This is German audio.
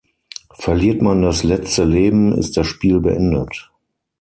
Verliert man das letzte Leben, ist das Spiel beendet.